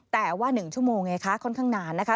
แต่ว่า๑ชั่วโมงไงคะค่อนข้างนานนะคะ